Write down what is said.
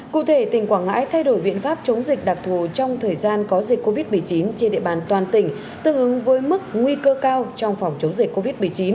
cụ thể tỉnh quảng ngãi thay đổi biện pháp chống dịch đặc thù trong thời gian có dịch covid một mươi chín trên địa bàn toàn tỉnh tương ứng với mức nguy cơ cao trong phòng chống dịch covid một mươi chín